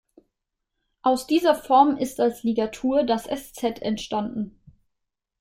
Aus dieser Form ist als Ligatur das "ß" entstanden.